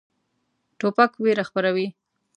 توپک ویره خپروي.